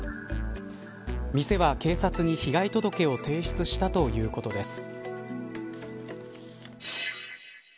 店は警察に被害届を提出したということです。